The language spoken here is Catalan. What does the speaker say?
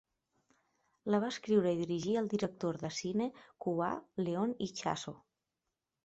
La va escriure i dirigir el director de cine cubà Leon Ichaso.